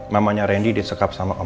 pulang keuirean kayak hebat veces berdalam